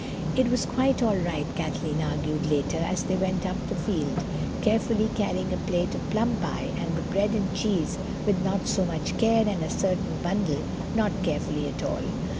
"It was quite all right," Kathleen argued later, as they went up the field, carefully carrying a plate of plum pie and the bread and cheese with not so much care and a certain bundle not carefully at all.